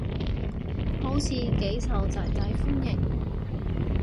好似幾受囝仔歡迎